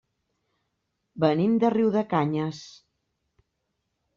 Venim de Riudecanyes.